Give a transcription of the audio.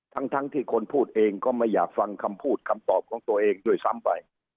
ทั้งที่คนพูดเองก็ไม่อยากฟังคำพูดคำตอบของตัวเองด้วยซ้ำไป